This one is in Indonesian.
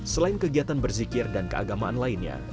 selain kegiatan berzikir dan keagamaan lainnya